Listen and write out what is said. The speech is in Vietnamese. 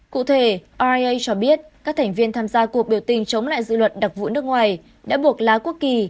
cụ thể orea cho biết các thành viên tham gia cuộc biểu tình chống lại dự luật đặc vụ nước ngoài đã buộc lá quốc kỳ